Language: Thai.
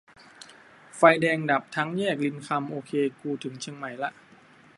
"ไฟแดงดับทั้งแยกรินคำ โอเค กูถึงเชียงใหม่ละ"